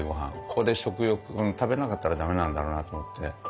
ここで食欲食べなかったら駄目なんだろうなと思って。